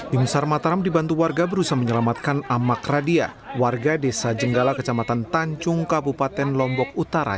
tim sar mataram dibantu warga berusaha menyelamatkan amak radia warga desa jenggala kecamatan tancung kabupaten lombok utara